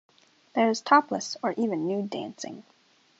There is topless or even nude dancing.